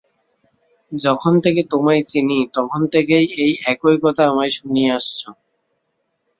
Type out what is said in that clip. যখন থেকে তোমায় চিনি, তখন থেকেই এই একই কথা আমায় শুনিয়ে আসছো।